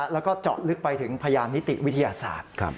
แล้วก็เจาะลึกไปถึงพยานนิติวิทยาศาสตร์